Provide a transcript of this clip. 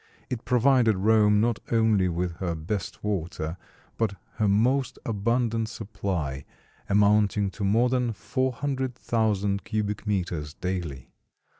It provided Rome not only with her best water, but her most abundant supply, amounting to more than 400,000 cubic meters daily.